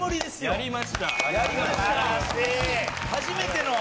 初めての。